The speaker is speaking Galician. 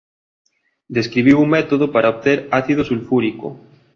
Describiu un método para obter ácido sulfúrico.